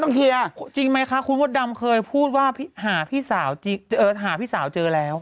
เคลียร์จริงไหมคะคุณมดดำเคยพูดว่าหาพี่สาวหาพี่สาวเจอแล้ว